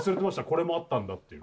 これもあったんだっていう